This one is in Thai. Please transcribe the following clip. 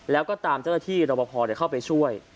แล้วก็ตามเจ้าหน้าที่เราพอเดี๋ยวเข้าไปช่วย